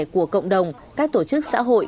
của cộng đồng các tổ chức xã hội